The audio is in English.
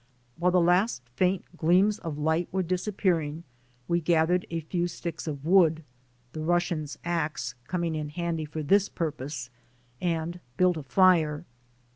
While the last faint gleams of light were disappearing, we gathered a few sticks of wood, (the Russian's ax coming in handy for this purpose), and built a fire.